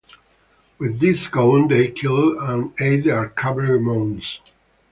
With these gone they killed and ate their cavalry mounts.